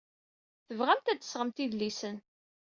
Tebɣamt ad d-tesɣemt idlisen.